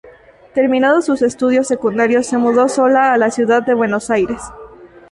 Terminados sus estudios secundarios, se mudó sola a la ciudad de Buenos Aires.